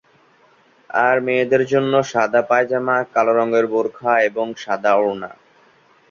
আর মেয়েদের জন্য সাদা পায়জামা, কালো রঙের বোরখা এবং সাদা ওড়না।